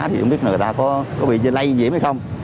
thì không biết người ta có bị lây nhiễm hay không